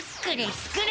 スクれ！